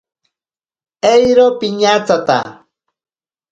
Eiro piñatsata.